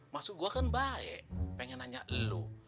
maksud gue kan baik pengen nanya lo